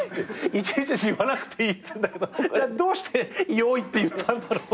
いちいち言わなくていい」って言うんだけどじゃあどうして「用意」って言ったんだろうって。